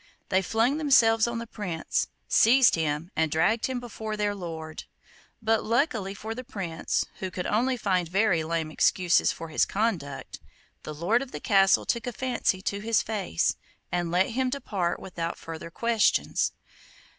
They flung themselves on the Prince, seized him, and dragged him before their lord; but, luckily for the Prince, who could only find very lame excuses for his conduct, the lord of the castle took a fancy to his face, and let him depart without further questions.